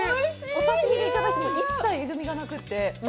お刺身でいただくのに一切えぐみがなくて。